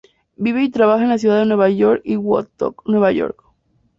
Vive y trabaja en la ciudad de Nueva York y Woodstock, Nueva York.